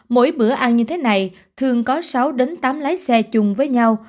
mỗi bữa ăn như thế này thường có sáu đến tám lái xe chung với nhau